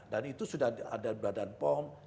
dan itu sudah ada beradaan pom